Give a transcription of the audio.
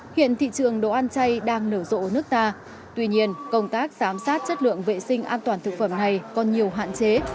hiện thị trường đồ ăn chay đang nở rộ ở nước ta tuy nhiên công tác giám sát chất lượng vệ sinh an toàn thực phẩm này còn nhiều hạn chế